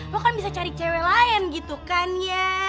lo kan bisa cari cewek lain gitu kan ya